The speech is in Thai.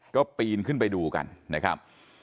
ก็ปีนขึ้นไปดูกันนะครับ